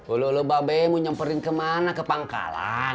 ulu ulu babi mau nyamperin ke mana ke pangkalan